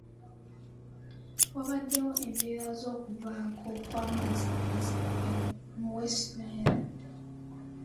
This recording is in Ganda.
Wabaddewo embeera z'okuvaako kw'amasanyalaze mu West Nile.